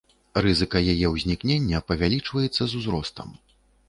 Рызыка яе ўзнікнення павялічваецца з узростам.